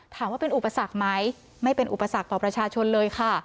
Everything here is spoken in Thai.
ถามว่าเป็นอุปสรรคไหมไม่เป็นอุปสรรคต่อประชาชนเลยค่ะ